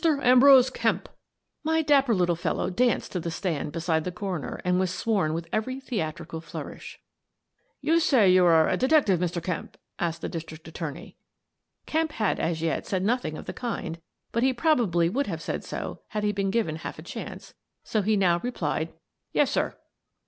Ambrose Kemp !" My dapper little fellow danced to the stand beside the coroner and was sworn with every theatrical flourish. "You say you are a detective, Mr. Kemp?" asked the district attorney. Kemp had as yet said nothing of the kind, but he probably would have said so had he been given half a chance, so he now replied : "Yes, sir."